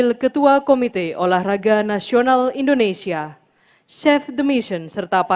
raya kebangsaan indonesia raya